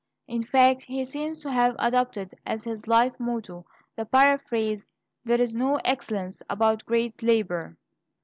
In fact, he seems to have adopted as his life motto the paraphrase, "There is no excellence about great labor."